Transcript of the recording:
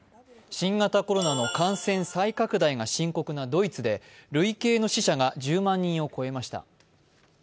新型コロナの感染再拡大が深刻なドイツで累計の死者が１０万人を超えました。